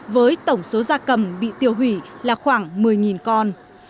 với tổng số gia cầm bị tiêu hủy là khoảng một mươi con